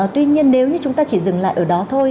tuy nhiên nếu như chúng ta chỉ dừng lại ở đó thôi